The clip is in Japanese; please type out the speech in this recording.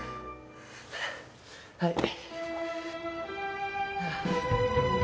はい。